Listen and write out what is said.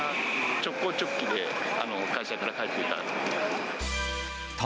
直行直帰で会社から帰っていた。